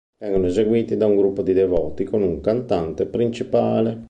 Vengono eseguiti da gruppi di devoti, con un cantante principale.